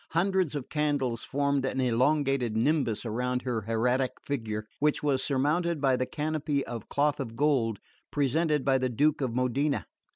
Hundreds of candles formed an elongated nimbus about her hieratic figure, which was surmounted by the canopy of cloth of gold presented by the Duke of Modena.